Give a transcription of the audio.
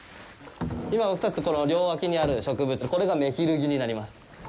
今２つ両脇にある植物、これがメヒルギになります。